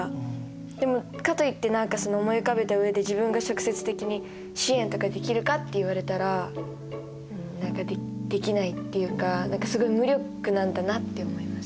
でもかといって思い浮かべた上で自分が直接的に支援とかできるかって言われたら何かできないっていうかすごい無力なんだなって思います。